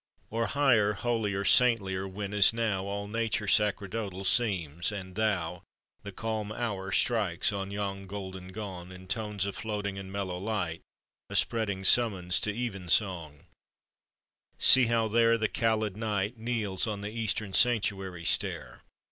Or higher, holier, saintlier when, as now, All Nature sacerdotal seems, and thou. The calm hour strikes on yon golden gong, In tones of floating and mellow light, A spreading summons to even song: See how there The cowlèd Night Kneels on the Eastern sanctuary stair.